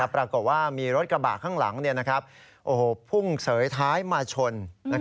ปรากฏว่ามีรถกระบะข้างหลังพุ่งเสยท้ายมาชน